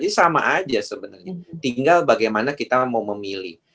ini sama aja sebenarnya tinggal bagaimana kita mau memilih